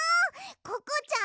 ココちゃん